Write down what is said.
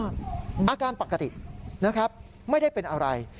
อาการปกตินะครับไม่ได้เป็นอะไร